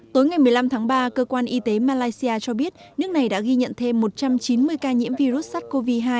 tối ngày một mươi năm tháng ba cơ quan y tế malaysia cho biết nước này đã ghi nhận thêm một trăm chín mươi ca nhiễm virus sars cov hai